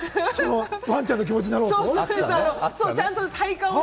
ワンちゃんの気持ちになろうと？